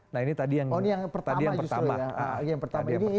nah ini tadi yang pertama ya